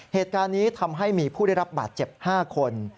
เหตุการณ์นี้ทำให้มีผู้ได้รับบาดเจ็บ๕คน